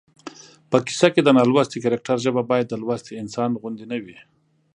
په کیسه کې د نالوستي کرکټر ژبه باید د لوستي انسان غوندې نه وي